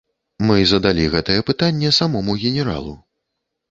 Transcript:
Мы задалі гэтае пытанне самому генералу.